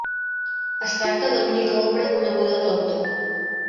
Es tracta de l'única obra coneguda de l'autor.